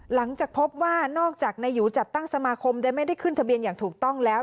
หลังจากพบว่านอกจากนายูจัดตั้งสมาคมโดยไม่ได้ขึ้นทะเบียนอย่างถูกต้องแล้ว